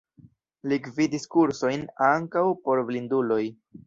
Li gvidis kursojn, ankaŭ por blinduloj.